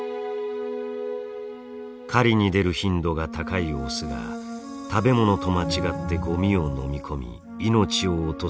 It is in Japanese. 狩りに出る頻度が高いオスが食べ物と間違ってゴミを飲み込み命を落とす例が増えています。